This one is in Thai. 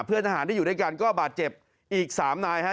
ทหารที่อยู่ด้วยกันก็บาดเจ็บอีก๓นายฮะ